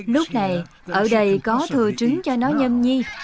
lúc này ở đây có thừa trứng cho nó nhâm nhi